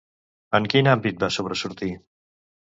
En quin àmbit va sobresortir?